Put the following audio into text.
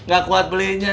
gak kuat belinya